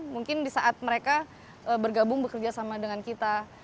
mungkin di saat mereka bergabung bekerja sama dengan kita